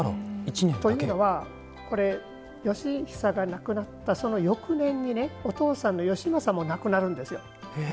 というのは義尚が亡くなった翌年にお父さんの義政も亡くなるんですよ。